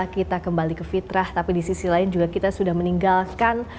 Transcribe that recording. kita kembali ke fitrah tapi di sisi lain juga kita sudah meninggalkan